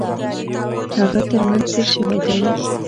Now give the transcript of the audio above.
هغه ترمېنځ تېر شوی دی.